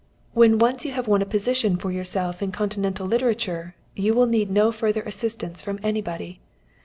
When once you have won a position for yourself in Continental literature you will need no further assistance from anybody.